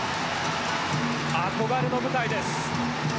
憧れの舞台です。